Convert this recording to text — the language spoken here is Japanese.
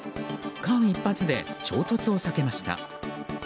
間一髪で衝突を避けました。